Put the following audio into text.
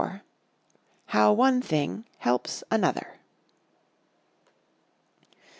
HOW ONE THING HELPS ANOTHER.